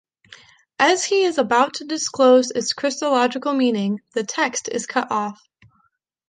As he is about to disclose its Christological meaning, the text is cut off.